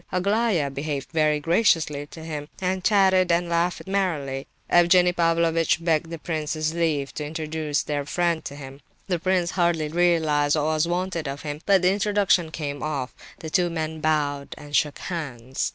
Aglaya behaved very graciously to him, and chatted and laughed merrily. Evgenie Pavlovitch begged the prince's leave to introduce their friend to him. The prince hardly realized what was wanted of him, but the introduction came off; the two men bowed and shook hands.